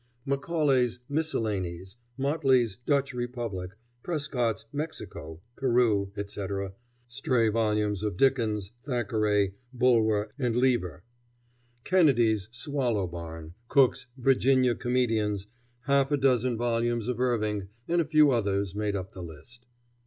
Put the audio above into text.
Macaulay's "Miscellanies," Motley's "Dutch Republic," Prescott's "Mexico," "Peru," etc.; stray volumes of Dickens, Thackeray, Bulwer, and Lever; Kennedy's "Swallow Barn," Cooke's "Virginia Comedians," half a dozen volumes of Irving, and a few others made up the list.